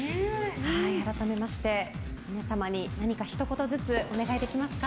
改めまして皆様に何かひと言ずつお願いできますか。